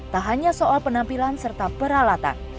tak hanya soal penampilan serta peralatan